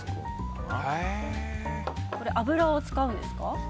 油を使うんですか？